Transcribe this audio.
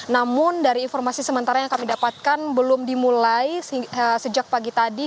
namun dari informasi sementara yang kami dapatkan belum dimulai sejak pagi tadi